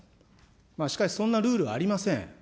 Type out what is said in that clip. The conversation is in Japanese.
しかしそんなルールはありません。